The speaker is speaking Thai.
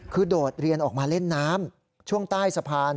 คือโดดเรียนออกมาเล่นน้ำช่วงใต้สะพาน